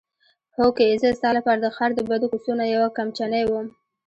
هوکې زه ستا لپاره د ښار د بدو کوڅو نه یوه کمچنۍ وم.